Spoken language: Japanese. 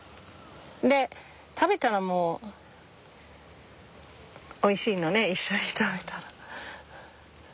で食べたらもうおいしいのね一緒に食べたら。